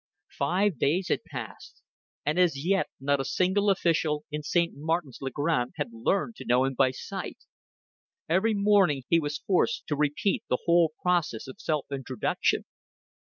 Five days had passed, and as yet not a single official at St. Martin's le Grand had learnt to know him by sight. Every morning he was forced to repeat the whole process of self introduction.